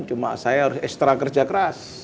cuma saya harus ekstra kerja keras